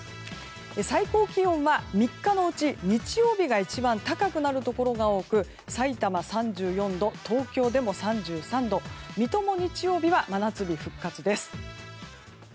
最高気温は、３日のうち日曜日が一番高くなるところが多くさいたま、３４度東京でも３３度水戸も日曜日は真夏日復活です。